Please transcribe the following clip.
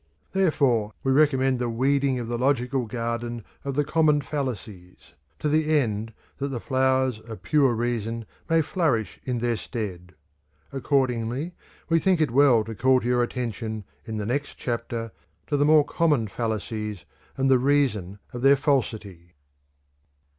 Therefore we recommend the weeding of the logical garden of the common fallacies, to the end that the flowers of pure reason may flourish in their stead. Accordingly, we think it well to call your attention in the next chapter to the more common fallacies, and the reason of their falsity.